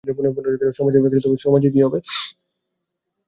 সমাজের কী হবে?